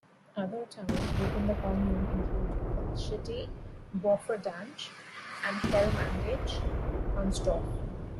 Other towns within the commune include Blaschette, Bofferdange, and Helmdange, Hunsdorf.